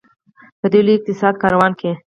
په دې لوی اقتصادي کاروان کې.